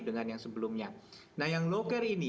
dengan yang sebelumnya nah yang low care ini